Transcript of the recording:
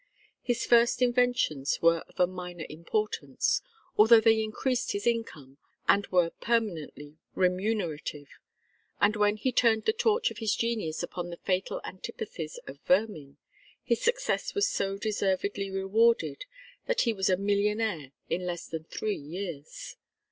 His first inventions were of a minor importance, although they increased his income and were permanently remunerative; but when he turned the torch of his genius upon the fatal antipathies of vermin, his success was so deservedly rewarded that he was a millionaire in less than three years.